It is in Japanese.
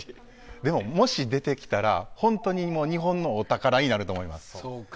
でも、もし出てきたら本当に日本のお宝になると思います。